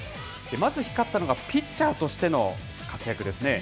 まず光ったのが、ピッチャーとしての活躍ですね。